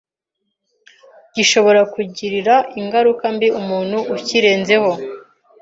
gishobora kugirira ingaruka mbi umuntu ukirenzeho.